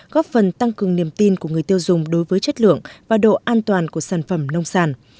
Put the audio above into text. góp phần tăng cường niềm tin của người tiêu dùng đối với chất lượng và độ an toàn của sản phẩm nông sản